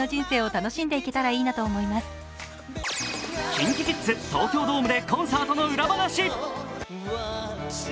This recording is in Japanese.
ＫｉｎＫｉＫｉｄｓ、東京ドームでコンサートの裏話。